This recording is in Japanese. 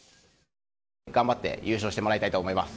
頑張って優勝してもらいたいと思います。